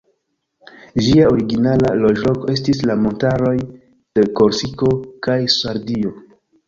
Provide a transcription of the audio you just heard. Ĝia origina loĝloko estis la montaroj de Korsiko kaj Sardio.